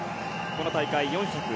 この大会４００、５位。